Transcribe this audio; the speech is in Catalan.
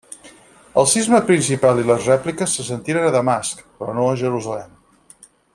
El sisme principal i les rèpliques se sentiren a Damasc, però no a Jerusalem.